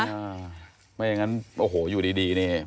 ไม่อย่างนั้นโอ้โหอยู่ดีนี่